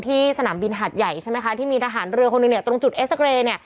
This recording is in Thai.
ที่สนามบินหาดใหญ่ใช่ไหมคะที่มีทหารเรือคนหนึ่งตรงจุดเอสเกร